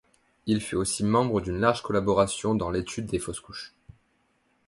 Il fut aussi membre d'une large collaboration dans l'étude des fausses couches.